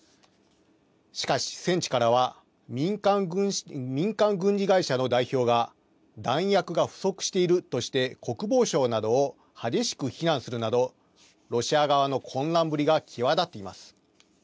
しかし戦地からは、民間軍事会社の代表が、弾薬が不足しているとして国防省などを激しく非難するなど、ロシア側の混乱ぶりが際立っています。